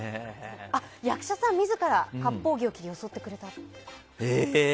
役者さん自らかっぽう着を着てよそってくれた。